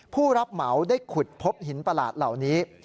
ผู้รับเหมาได้ขุดพบหินประหลาดเหล่านี้